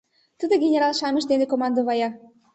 Тудо генерал-шамыч дене командовая.